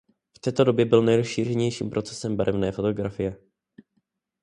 V této době byl nejrozšířenějším procesem barevné fotografie.